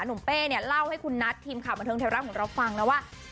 เป้เนี่ยเล่าให้คุณนัททีมข่าวบันเทิงไทยรัฐของเราฟังนะว่า